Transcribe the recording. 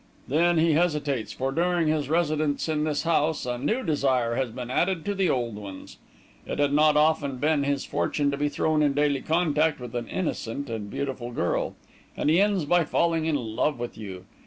Then he hesitates, for during his residence in this house, a new desire has been added to the old ones. It had not often been his fortune to be thrown in daily contact with an innocent and beautiful girl, and he ends by falling in love with you.